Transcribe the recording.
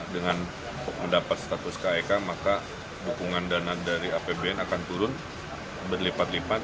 dengan mendapat status kik maka dukungan dana dari apbn akan turun berlepat lepat